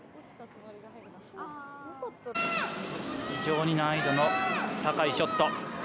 非常に難易度の高いショット。